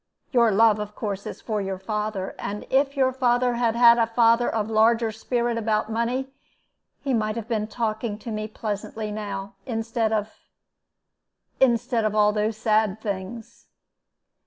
Your love, of course, is for your father; and if your father had had a father of larger spirit about money, he might have been talking to me pleasantly now, instead of instead of all these sad things."